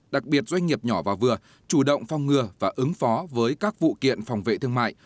đặc biệt doanh nghiệp nhỏ và vừa chủ động phong ngừa và ứng phó với các vụ kiện phòng vệ thương mại